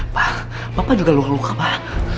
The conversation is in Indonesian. pak bapak juga luka luka pak